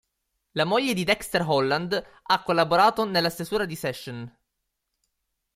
La moglie di Dexter Holland ha collaborato nella stesura di "Session".